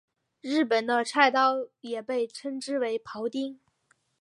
日本的菜刀也被称之为庖丁。